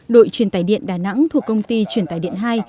đội truyền tài điện đà nẵng thuộc công ty truyền tài điện hai